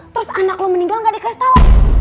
terus anak lo meninggal gak dikasih tahu